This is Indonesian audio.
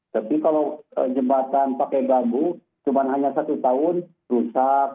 tapi kalau jembatan pakai babu cuma hanya satu tahun rusak